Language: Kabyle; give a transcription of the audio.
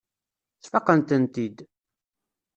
Sfaqen-tent-id.